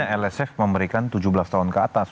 lsf memberikan tujuh belas tahun ke atas